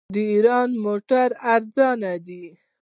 د ایران موټرې ارزانه دي.